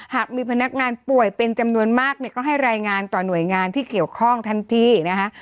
หากมีพนักงานป่วยเป็นจำนวนมากเนี่ยก็ให้รายงานต่อหน่วยงานที่เกี่ยวข้องทันทีนะคะ